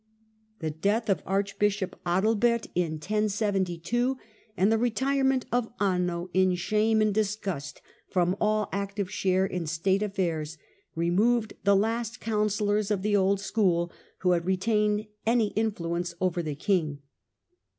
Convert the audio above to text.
The death of archbishop Adalbert in 1072, and the retirement of Anno, in shame and disgust, from all active share in state aflFairs, removed the last coun sellors of the old school who had retained any influence over the king.